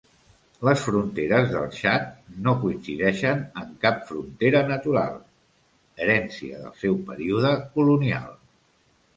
Les fronteres del Txad no coincideixen amb cap frontera natural, herència del seu període colonial.